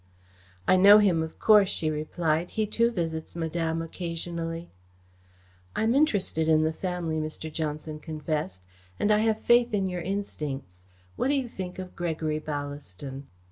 "I know him, of course," she replied. "He too visits Madame occasionally." "I am interested in the family," Mr. Johnson confessed, "and I have faith in your instincts. What do you think of Gregory Ballaston?"